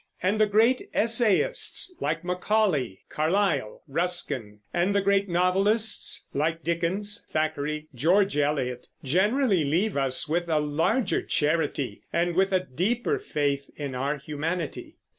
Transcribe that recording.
And the great essayists, like Macaulay, Carlyle, Ruskin, and the great novelists, like Dickens, Thackeray, George Eliot, generally leave us with a larger charity and with a deeper faith in our humanity.